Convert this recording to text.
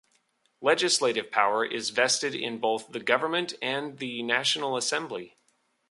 Legislative power is vested in both the Government and the National Assembly.